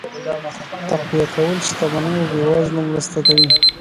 تقويه کول شتمنو بې وزلو مرسته کوي.